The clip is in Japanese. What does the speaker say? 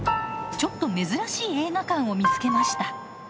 ちょっと珍しい映画館を見つけました。